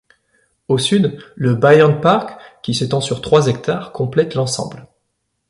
Au sud, le Bayernpark, qui s'étend sur trois hectares, complète l'ensemble.